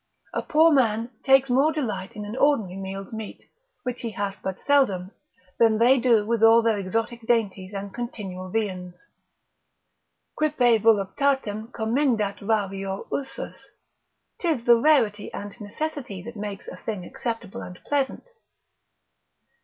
A poor man takes more delight in an ordinary meal's meat, which he hath but seldom, than they do with all their exotic dainties and continual viands; Quippe voluptatem commendat rarior usus, 'tis the rarity and necessity that makes a thing acceptable and pleasant.